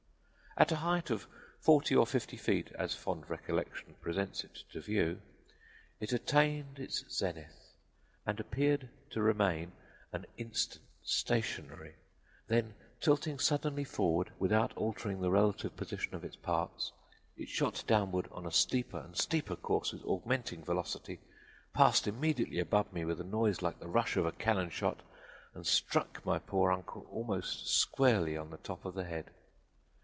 "At a height of forty or fifty feet, as fond recollection presents it to view, it attained its zenith and appeared to remain an instant stationary; then, tilting suddenly forward without altering the relative position of its parts, it shot downward on a steeper and steeper course with augmenting velocity, passed immediately above me with a noise like the rush of a cannon shot and struck my poor uncle almost squarely on the top of the head!